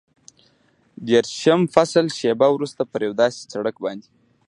دېرشم فصل، شېبه وروسته پر یو داسې سړک باندې.